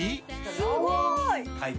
すごい！